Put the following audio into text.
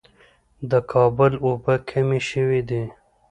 د کابل اوبه کمې شوې دي